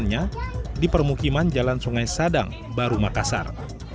yang di permukiman jalan sungai sadang baru makassar